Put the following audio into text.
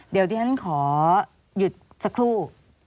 เดี๋ยวที่ฉันขอหยุดสักครู่